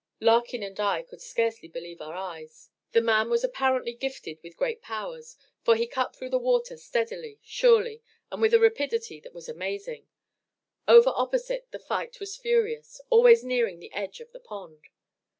Larkin and I could scarcely believe our eyes. The man was apparently gifted with great powers, for he cut through the water steadily, surely, with a rapidity that was amazing. Over opposite, the fight was furious, always nearing the edge of the pond.